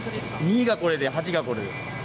２がこれで８がこれです。